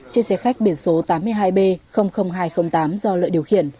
trên xe khách biển số tám mươi hai b hai trăm linh tám do lợi điều khiển